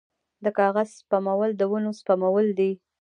د کاغذ سپمول د ونو سپمول دي